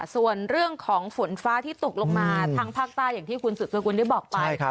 ส่วนเรื่องของฝนฟ้าที่ตกลงมาทางภาคใต้อย่างที่คุณสุดสกุลได้บอกไป